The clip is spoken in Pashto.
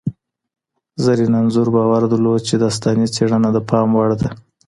زرین انځور باور درلود چي داستاني څېړنه د پام وړ ده.